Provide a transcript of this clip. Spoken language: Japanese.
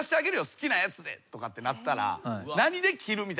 好きなやつで」とかなったら。